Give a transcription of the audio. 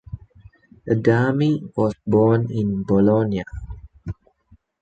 Adami was born in Bologna.